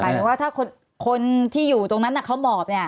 หมายถึงว่าถ้าคนที่อยู่ตรงนั้นน่ะเขามอบเนี่ย